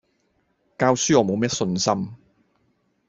教書我冇乜信心